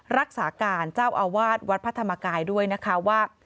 รักษาการเจ้าอาวาสวัดพระธรรมกายด้วยนะคะว่า